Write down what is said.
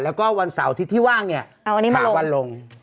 แล้วก็วันเสาร์อาทิตย์ที่ว่างเนี่ยมาลงวันลง